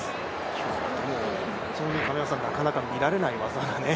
今日は本当になかなか見られない技が。